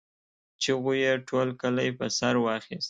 چيغو يې ټول کلی په سر واخيست.